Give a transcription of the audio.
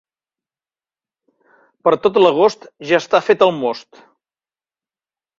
Per tot l'agost, ja està fet el most.